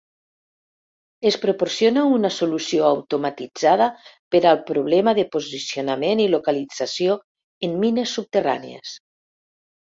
Es proporciona una solució automatitzada per al problema de posicionament i localització en mines subterrànies.